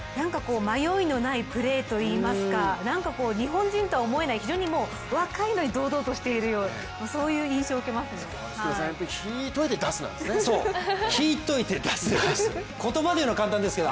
迷いのないプレーといいますか、なんか日本人とは思えない非常に、若いのに堂々としている引いといて出すんですね。